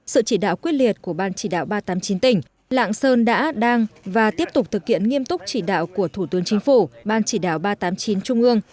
sự chỉ đạo quyết liệt của ban chỉ đạo ba trăm tám mươi chín tỉnh lạng sơn đã đang và tiếp tục thực hiện nghiêm túc chỉ đạo của thủ tướng chính phủ ban chỉ đạo ba trăm tám mươi chín trung ương